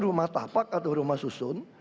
rumah tapak atau rumah susun